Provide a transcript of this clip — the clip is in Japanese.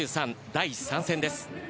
第３戦です。